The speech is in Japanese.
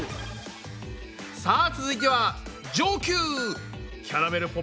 さあ続いては上級！